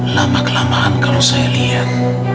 lama kelamaan kalau saya lihat